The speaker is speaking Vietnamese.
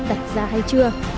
đặt ra hay chưa